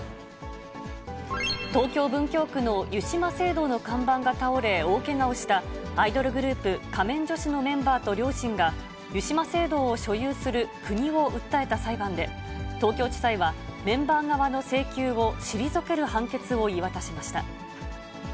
東京・文京区の湯島聖堂の看板が倒れ、大けがをしたアイドルグループ、仮面女子のメンバーと両親が、湯島聖堂を所有する国を訴えた裁判で、東京地裁は、メンバー側の請求を退ける判決を言い渡しました。